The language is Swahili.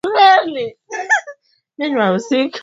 biashara Upande wa dini wananchi karibu wote ni Waislamu hasa